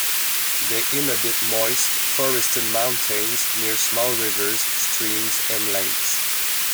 They inhabit moist, forested mountains near small rivers, streams, and lakes.